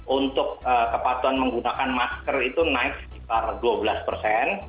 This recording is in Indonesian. untuk kepatuhan menggunakan masker itu naik sekitar dua belas persen